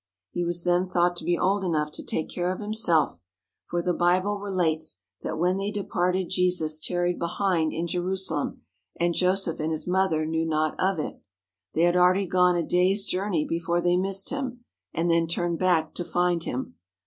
He was then thought to be old enough to take care of Himself, for the Bible relates that when they departed Jesus tarried behind in Jerusalem, and Joseph and His mother knew not of it. They had already gone a day's journey before they missed Him, and then turned back to find Him.